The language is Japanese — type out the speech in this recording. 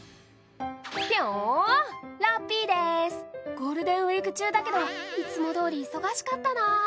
ゴールデンウイーク中だけどいつもどおり忙しかったな。